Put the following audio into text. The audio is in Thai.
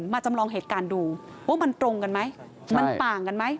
จำลองเหตุการณ์ดูว่ามันตรงกันไหมมันต่างกันไหม